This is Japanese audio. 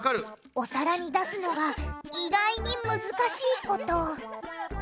お皿に出すのが意外に難しいこと。